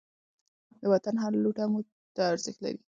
د وطن هر لوټه موږ ته ارزښت لري.